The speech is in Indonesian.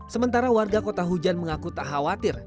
sementara warga kota hujan mengaku tak khawatir